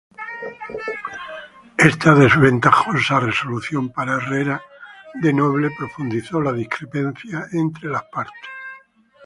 Esta desventajosa resolución para Herrera de Noble profundizó la discrepancia entre las partes.